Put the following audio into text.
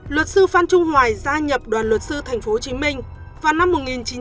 luật sư phan trung hoài gia nhập đoàn luật sư tp hcm vào năm một nghìn chín trăm chín mươi